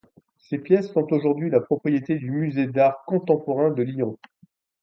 Ces pièces sont aujourd'hui la propriété du Musée d'art contemporain de Lyon.